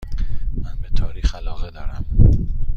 من به تاریخ علاقه دارم.